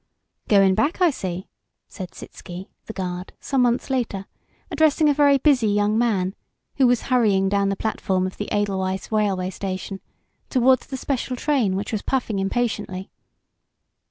"Goin' back, I see," said Sitzky, the guard, some months later, addressing a very busy young man, who was hurrying down the platform of the Edelweiss railway station toward the special train which was puffing impatiently.